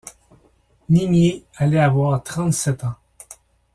Nimier allait avoir trente-sept ans.